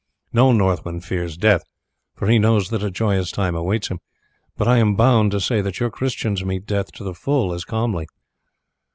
No Northman fears death, for he knows that a joyous time awaits him; but I am bound to say that your Christians meet death to the full as calmly.